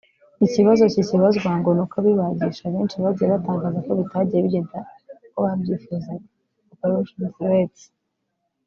Ikibazo kikibazwa ngo nuko abibagisha benshi bagiye batangaza ko bitagiye bigenda uko babyifuzaga (opérations rates)